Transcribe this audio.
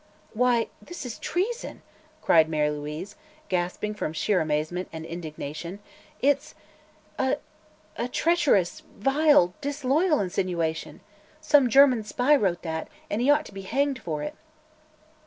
"Why, this is treason!" cried Mary Louise, gasping from sheer amazement and indignation. "It's a a treacherous, vile, disloyal insinuation. Some German spy wrote that, and he ought to be hanged for it!"